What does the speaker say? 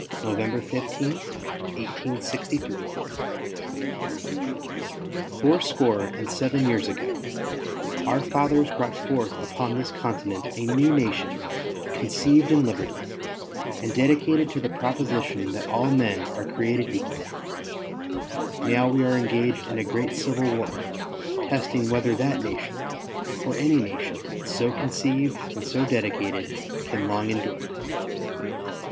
NOVEMBER 15, 1863 Fourscore and seven years ago our fathers brought forth upon this continent a new nation, conceived in liberty, and dedicated to the proposition that all men are created equal. Now we are engaged in a great civil war, testing whether that nation, or any nation so conceived and so dedicated, can long endure.